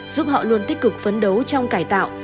giúp họ luôn tích cực phấn đấu trong cải tạo